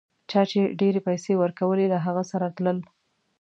چا چي ډېرې پیسې ورکولې له هغه سره تلل.